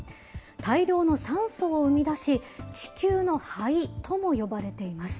大量の酸素を生み出し、地球の肺とも呼ばれています。